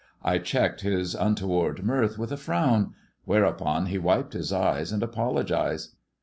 I checked his untoward mirth with a frown, whereupon he wiped his eyes and apologized.